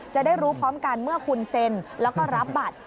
จะได้รู้พร้อมกันเมื่อคุณเซ็นแล้วก็รับบัตร